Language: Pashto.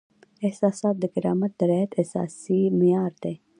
احساسات د کرامت د رعایت اساسي معیار دی.